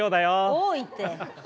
多いって。